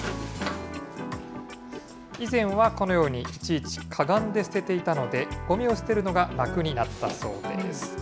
以前はこのように、いちいちかがんで捨てていたので、ごみを捨てるのが楽になったそうです。